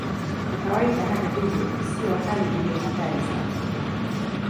Kwa kawaida, hata hivyo, sio hali iliyo hatari sana.